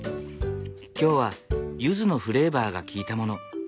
今日はゆずのフレーバーが効いたもの。